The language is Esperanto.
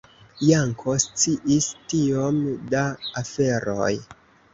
Janko sciis tiom da aferoj!